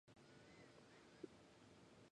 手を挙げてください